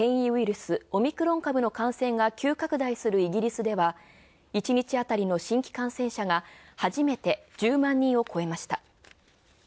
スオミクロン株の感染が急拡大するイギリスでは、一日あたりの新規感染者がはじめて１０万人を超えました。